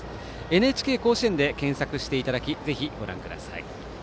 ＮＨＫ甲子園で検索していただきぜひ、ご覧ください。